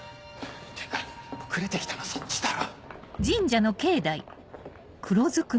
てか遅れて来たのそっちだろ。